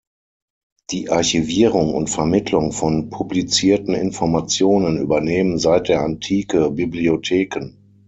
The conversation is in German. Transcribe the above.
Die Archivierung und Vermittlung von publizierten Informationen übernehmen seit der Antike Bibliotheken.